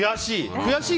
悔しい！